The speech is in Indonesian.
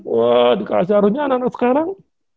wah dikasih harunnya anak anak sekarang